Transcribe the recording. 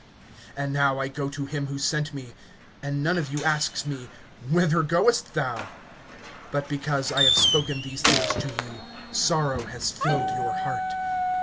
(5)And now I go to him who sent me; and none of you asks me: Whither goest thou? (6)But because I have spoken these things to you, sorrow has filled your heart.